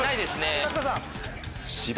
春日さん。